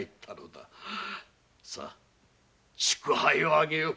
さ祝杯をあげよう。